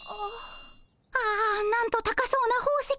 ああなんと高そうな宝石。